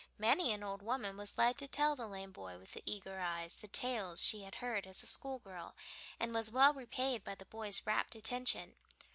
Many an old woman was led to tell the lame boy with the eager eyes the tales she had heard as a schoolgirl, and was well repaid by the boy's rapt attention.